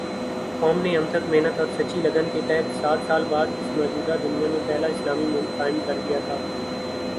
قوم نے انتھک محنت اور سچی لگن کے تحت سات سال بعد اس موجودہ دنیا میں پہلا اسلامی ملک قائم کردیا تھا